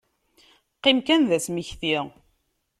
Qqim kan d asmekti.